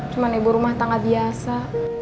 cuma ibu rumah tangga biasa